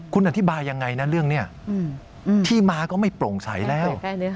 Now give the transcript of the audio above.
คุณอธิบายยังไงนะเรื่องนี้ที่มาก็ไม่โปร่งใสแล้ว